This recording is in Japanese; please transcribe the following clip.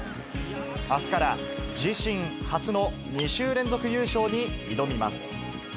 あすから自身初の２週連続優勝に挑みます。